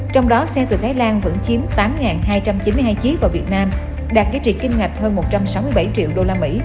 trong đó xe từ thái lan vẫn chiếm tám hai trăm chín mươi hai chiếc vào việt nam đạt giá trị kim ngạch hơn một trăm sáu mươi bảy triệu usd